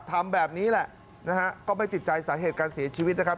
ทำแบบนี้แหละนะฮะก็ไม่ติดใจสาเหตุการเสียชีวิตนะครับ